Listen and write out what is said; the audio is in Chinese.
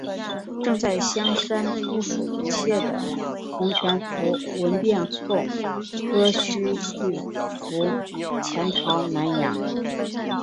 正在香山部署一切的洪全福闻变后割须易服潜逃南洋。